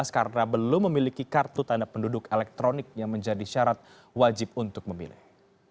karena belum memiliki kartu tanda penduduk elektronik yang menjadi syarat wajib untuk memilih